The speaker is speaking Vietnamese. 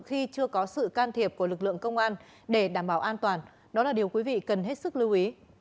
khi chưa có sự can thiệp của lực lượng công an để đảm bảo an toàn đó là điều quý vị cần hết sức lưu ý